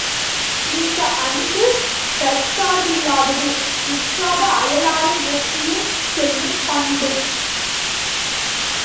இந்த அன்பு தற்சார்பில்லாதது முற்றாக அயலாரை நோக்கியே செல்லும் பண்பு.